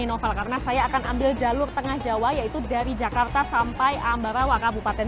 novel karena saya akan ambil jalur tengah jawa yaitu dari jakarta sampai ambarawaka bupaten